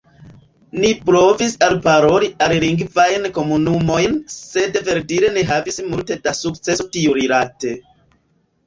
Ni provis alparoli alilingvajn komunumojn, sed verdire ne havis multe da sukceso tiurilate.